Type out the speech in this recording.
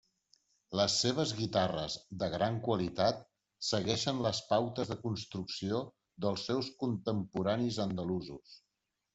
Les seves guitarres, de gran qualitat, segueixen les pautes de construcció dels seus contemporanis andalusos.